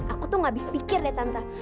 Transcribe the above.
aku tuh gak habis pikir deh tante